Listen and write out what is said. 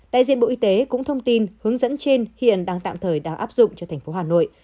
đại diện bộ y tế cũng thông tin hướng dẫn trên hiện đang tạm thời đang áp dụng cho thành phố hà nội